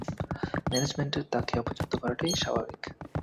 ম্যানেজমেন্টের তাকে অপছন্দ করাটাই স্বাভাবিক।